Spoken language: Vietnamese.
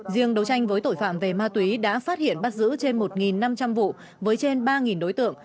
riêng đấu tranh với tội phạm về ma túy đã phát hiện bắt giữ trên một năm trăm linh vụ với trên ba đối tượng